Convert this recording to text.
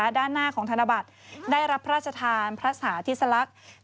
ด้านหน้าของธนบัตรได้รับพระราชทานพระสาธิสลักษณ์